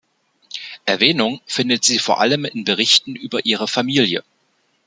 Erwähnung findet sie vor allem in Berichten über ihre Familie.